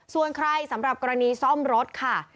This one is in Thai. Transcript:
ส่วนใครสำหรับกรณีซ่อมรถค่ะ